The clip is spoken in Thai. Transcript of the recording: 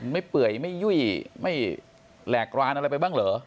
เปื่อยไม่ยุ่ยไม่แหลกรานอะไรไปบ้างเหรอ